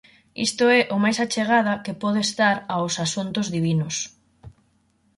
Isto é o máis achegada que podo estar aos asuntos divinos.